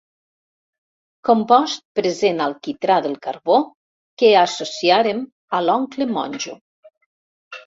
Compost present al quitrà del carbó que associarem a l'oncle monjo.